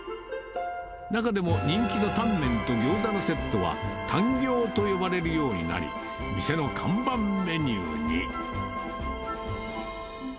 中でも人気のタンメンとギョーザのセットは、タンギョーと呼ばれるようになり、店の看板メニューに。